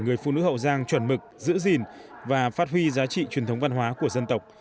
người phụ nữ hậu giang chuẩn mực giữ gìn và phát huy giá trị truyền thống văn hóa của dân tộc